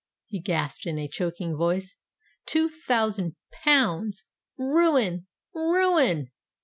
he gasped in a choking voice. "Two thousand pounds—ruin—ruin!"